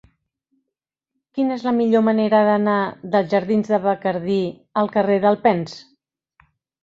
Quina és la millor manera d'anar dels jardins de Bacardí al carrer d'Alpens?